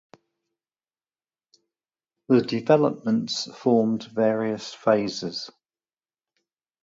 The developments formed various phases.